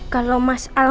kalau mas al